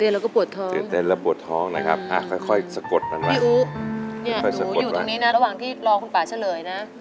อ่ะค่อยสะกดหน่อยค่อยสะกดหน่อยพี่อู๋หนูอยู่ตรงนี้นะระหว่างที่รอคุณป่าเชลยนะ